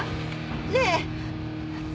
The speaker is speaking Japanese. ねえ！